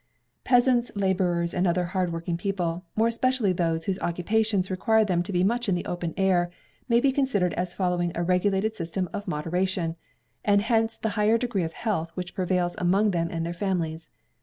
Peasants, labourers, and other hard working people, more especially those whose occupations require them to be much in the open air, may be considered as following a regulated system of moderation; and hence the higher degree of health which prevails among them and their families.